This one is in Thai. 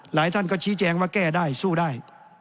หลายท่านก็ชี้แจงว่าแก้ได้สู้ได้